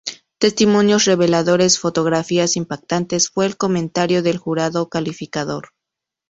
Testimonios reveladores; fotografías impactantes", fue el comentario del jurado calificador.